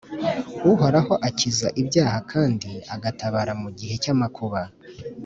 Uhoraho akiza ibyaha kandi agatabara mu gihe cy’amakuba